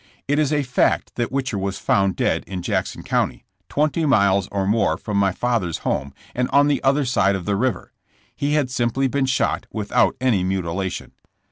It is a fact that Whicher was found dead in Jackson County, twenty miles or .more from my father 's home and on the other side of the river. He had simply been shot without any mutilation.